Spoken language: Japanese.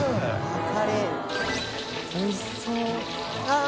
おいしそうあぁ！